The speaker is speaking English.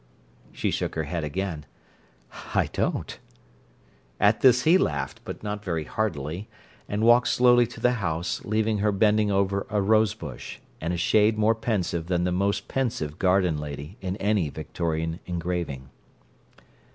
She shook her head again. "I don't!" At this he laughed, but not very heartily, and walked slowly to the house, leaving her bending over a rose bush, and a shade more pensive than the most pensive garden lady in any Victorian engraving.